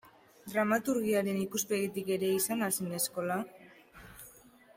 Dramaturgiaren ikuspegitik ere izan al zen eskola?